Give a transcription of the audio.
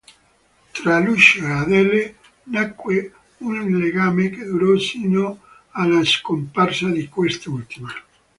Tra Lucio e Adele nacque un legame che durò sino alla scomparsa di quest'ultima.